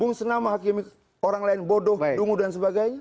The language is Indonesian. bung senam menghakimi orang lain bodoh dungu dan sebagainya